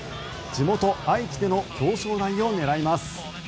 地元・愛知での表彰台を狙います。